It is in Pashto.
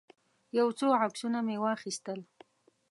یو څو عکسونه مې واخیستل.